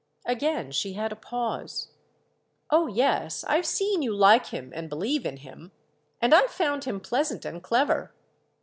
Again she had a pause. "Oh yes, I've seen you like him and believe in him—and I've found him pleasant and clever."